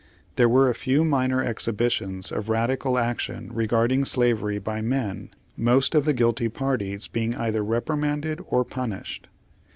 There were a fev/ minor exhibitions of radical action regarding slavery by men, most of the guilty parties being either reprimanded or punished.